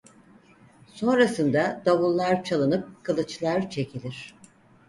Sonrasında davullar çalınıp kılıçlar çekilir.